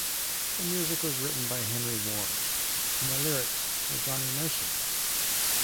The music was written by Harry Warren, and the lyrics by Johnny Mercer.